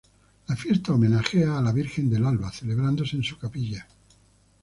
La fiesta homenajea a la Virgen de Alba, celebrándose en su capilla.